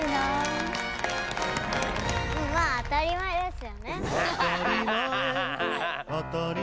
うんまあ当たり前ですよね。